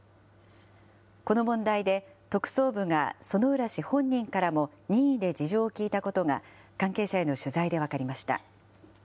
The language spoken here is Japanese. この問題で、特捜部が薗浦氏本人からも任意で事情を聴いたことが、関係者への取材で分かりました。